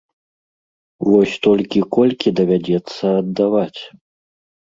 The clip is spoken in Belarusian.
Вось толькі колькі давядзецца аддаваць?